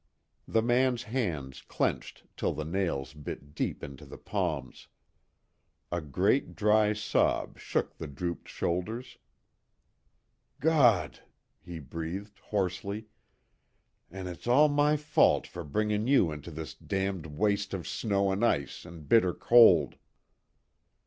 The man's hands clenched till the nails bit deep into the palms. A great dry sob shook the drooped shoulders: "God!" he breathed, hoarsely, "An' it's all my fault for bringin' you into this damned waste of snow an' ice, an' bitter cold!"